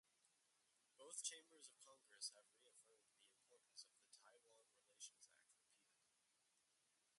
Both chambers of Congress have reaffirmed the importance of the Taiwan Relations Act repeatedly.